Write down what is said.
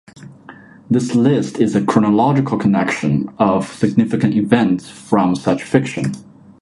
This list is a chronological collection of significant events from such fiction.